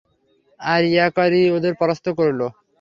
আর ইয়াকারি ওদের পরাস্ত করল।